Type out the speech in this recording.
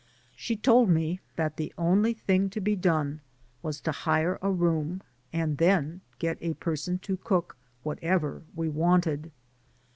She told me that the only thing to be done, was to hire a room, and then: get a person to cook what ever we wanted.